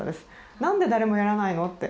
なんで誰もやらないのって。